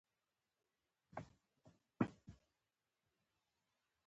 دغه لوبغاړي کارتونونه په ظاهره حرکت کوي.